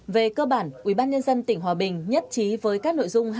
về cơ bản ubnd tỉnh hòa bình nhất trí với các nội dung